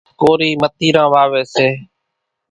ڪورِي متيران واويَ سي۔